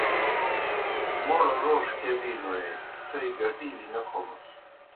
موْڑ روݜ کیْہ بِینوْ تھوئے گٹِیلیْ نہ کھومَس۔